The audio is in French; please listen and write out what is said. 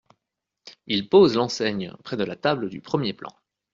Il pose l’enseigne près de la table du premier plan.